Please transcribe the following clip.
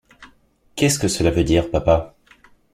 Qu’est-ce que cela veut dire, papa?